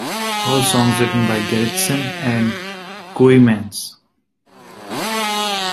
All songs written by Gerritsen and Kooymans.